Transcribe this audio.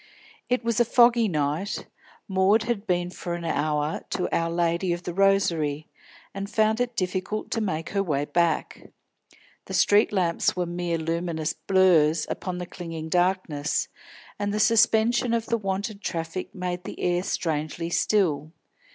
It was a foggy night. Maud had been for an hour to Our Lady of the Rosary, and found it difficult to make her way back. The street lamps were mere luminous blurs upon the clinging darkness, and the suspension of the wonted traffic made the air strangely still.